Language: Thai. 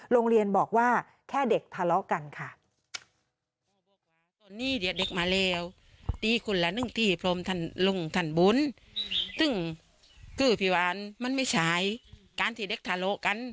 โรงเรียนบอกว่าแค่เด็กทะเลาะกันค่ะ